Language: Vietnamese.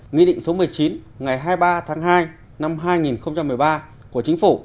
nghị định số một mươi chín ngày hai mươi ba tháng hai năm hai nghìn một mươi ba của chính phủ